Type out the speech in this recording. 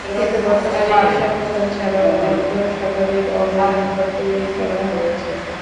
কিন্তু বর্তমানে এসব দোকান ছাড়াও অর্ধশতাধিক অবৈধ দোকান তৈরি করা হয়েছে।